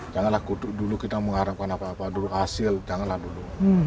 janganlah kuduk dulu kita mengharapkan apa apa dulu hasil janganlah dulu